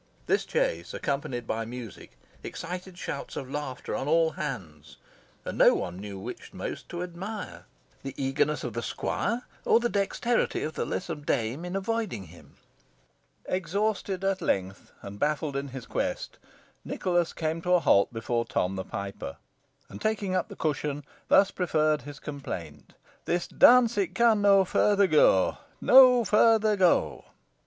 This chase, accompanied by music, excited shouts of laughter on all hands, and no one knew which most to admire, the eagerness of the squire, or the dexterity of the lissom dame in avoiding him. Exhausted at length, and baffled in his quest, Nicholas came to a halt before Tom the Piper, and, taking up the cushion, thus preferred his complaint: "This dance it can no further go no further go."